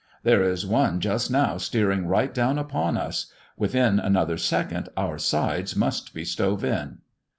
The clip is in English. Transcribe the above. There is one just now steering right down upon us; within another second our sides must be stove in.